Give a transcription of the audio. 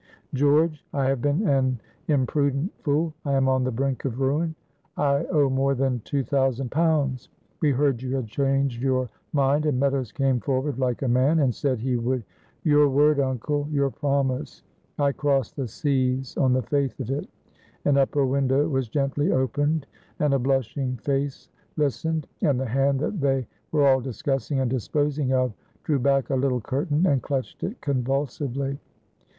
"George, I have been an imprudent fool, I am on the brink of ruin. I owe more than two thousand pounds. We heard you had changed your mind, and Meadows came forward like a man, and said he would " "Your word, uncle, your promise. I crossed the seas on the faith of it." An upper window was gently opened, and a blushing face listened, and the hand that they were all discussing and disposing of drew back a little curtain, and clutched it convulsively.